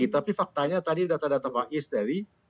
tapi faktanya tadi data data pak is tadi